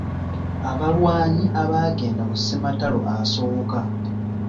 Abalwanyi abaagenda mu ssematalo asooka.